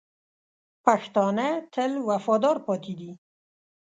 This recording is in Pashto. پښتانه تل وفادار پاتې دي.